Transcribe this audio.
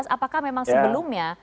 apakah memang sebelumnya